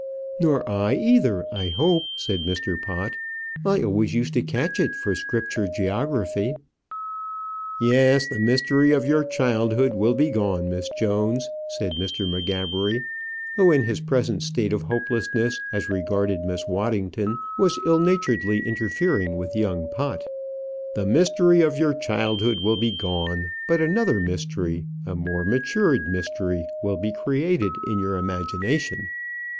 "Nor I either, I hope," said Mr. Pott. "I always used to catch it for scripture geography." "Yes, the mystery of your childhood will be gone, Miss Jones," said Mr. M'Gabbery, who, in his present state of hopelessness as regarded Miss Waddington, was ill naturedly interfering with young Pott. "The mystery of your childhood will be gone; but another mystery, a more matured mystery, will be created in your imagination.